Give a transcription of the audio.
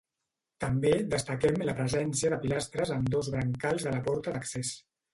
També, destaquem la presència de pilastres ambdós brancals de la porta d'accés.